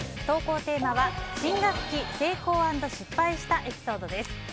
投稿テーマは、新学期成功＆失敗したエピソードです。